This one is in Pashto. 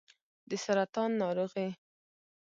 د سرطان ناروغي